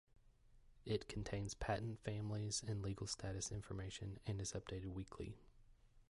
It contains patent families and legal status information, and is updated weekly.